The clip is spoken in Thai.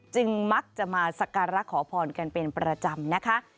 มักจะมาสการะขอพรกันเป็นประจำนะคะ